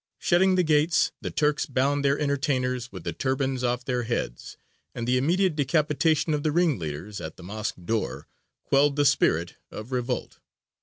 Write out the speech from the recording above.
Shutting the gates, the Turks bound their entertainers with the turbans off their heads, and the immediate decapitation of the ringleaders at the mosque door quelled the spirit of revolt.